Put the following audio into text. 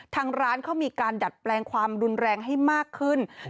ทางร้านเขามีการดัดแปลงความรุนแรงให้มากขึ้น